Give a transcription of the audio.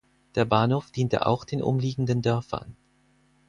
Der Bahnhof diente auch den umliegenden Dörfern.